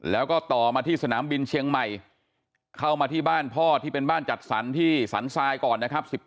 แล้วก็ต่อมาที่สนามบินเชียงใหม่เข้ามาที่บ้านพ่อที่เป็นบ้านจัดสรรที่สรรทรายก่อนนะครับ